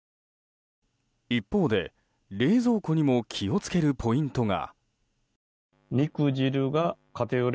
一方で、冷蔵庫にも気を付けるポイントが。